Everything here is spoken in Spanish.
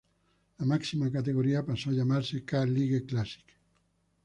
La máxima categoría pasó a llamarse K-League Classic.